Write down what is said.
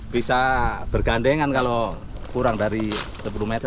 bisa bergandengan kalau kurang dari sepuluh meter